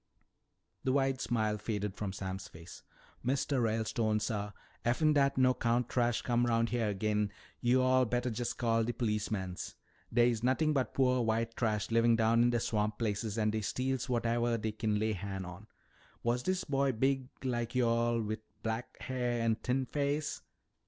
The wide smile faded from Sam's face. "Mistuh Ralestone, suh, effen dat no 'count trash comes 'round heah agin, yo'all bettah jest call de policemans. Dey's nothin' but poah white trash livin' down in de swamp places an' dey steals whatevah dey kin lay han' on. Was dis boy big like yo'all, wi' black hair an' a thin face?"